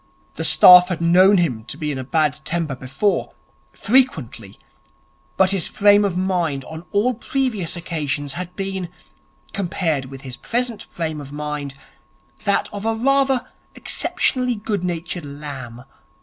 The staff had known him to be in a bad temper before frequently; but his frame of mind on all previous occasions had been, compared with his present frame of mind, that of a rather exceptionally good natured lamb.